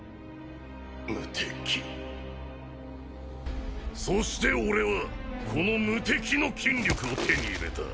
無敵そして俺はこの無敵の筋力を手に入れた！